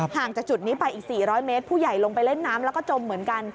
จากจุดนี้ไปอีก๔๐๐เมตรผู้ใหญ่ลงไปเล่นน้ำแล้วก็จมเหมือนกัน